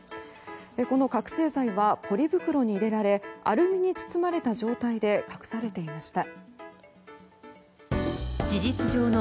この覚醒剤はポリ袋に入れられアルミに包まれた状態で隠されていました。